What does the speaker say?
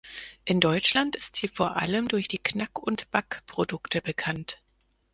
In Deutschland ist sie vor allem durch die Knack-und-Back-Produkte bekannt.